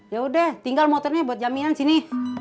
ya udah tinggal motornya buat jaminan sini